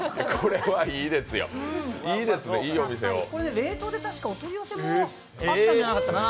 これ、冷凍で確か、お取り寄せもあったんじゃないかな。